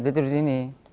tidur di sini